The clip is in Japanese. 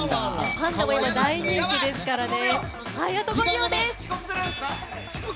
パンダも大人気ですからね。